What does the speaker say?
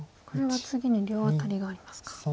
これは次に両アタリがありますか。